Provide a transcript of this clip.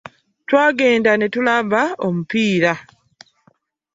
Twagenda ne tulanba omupiira.